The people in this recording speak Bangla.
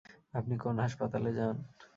আপনি কোন হাসপাতালে যান?